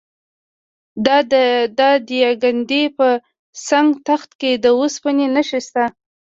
د دایکنډي په سنګ تخت کې د وسپنې نښې شته.